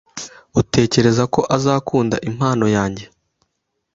Utekereza ko azakunda impano yanjye?